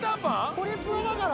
ホリプロだから？